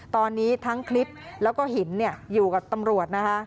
ตอนนี้ทั้งคลิปแล้วก็หินอยู่กับตำรวจนะคะ